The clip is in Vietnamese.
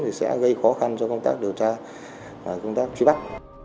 thì sẽ gây khó khăn cho công tác điều tra công tác truy bắt